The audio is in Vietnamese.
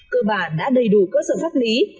cơ bản đã đầy đủ cơ sở pháp lý